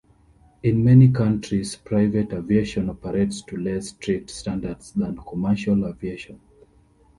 In many countries, private aviation operates to less strict standards than commercial aviation.